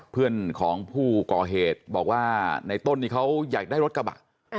เพื่อนของผู้ก่อเหตุบอกว่าในต้นนี้เขาอยากได้รถกระบะ